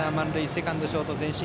セカンド、ショートは前進。